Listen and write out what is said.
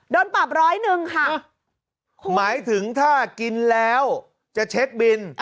โดนปรับร้อยหนึ่งค่ะหมายถึงถ้ากินแล้วจะเช็คบิน